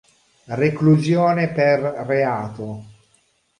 Reclusione per reato.